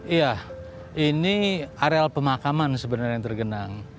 iya ini areal pemakaman sebenarnya yang tergenang